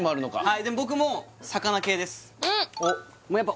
はいでも僕も魚系ですうん！